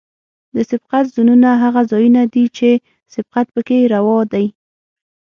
د سبقت زونونه هغه ځایونه دي چې سبقت پکې روا دی